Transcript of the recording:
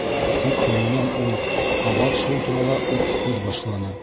Тик һуңынан ул ҡабат шул турала уҡ һүҙ башланы: